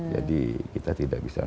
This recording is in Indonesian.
jadi kita tidak bisa